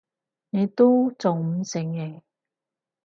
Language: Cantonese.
你都仲唔承認！